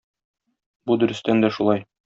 Бу дөрестән дә шулай.